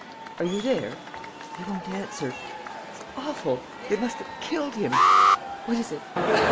"Are you there?... He won't answer. It's awful.... They must have killed him. What is it?...